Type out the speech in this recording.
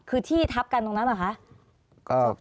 คือที่ทับกันตรงนั้นหรือเปล่าคะ